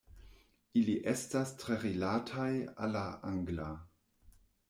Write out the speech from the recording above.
Ili estas tre rilataj al la angla.